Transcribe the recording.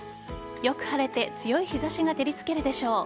よく晴れて強い日差しが照りつけるでしょう。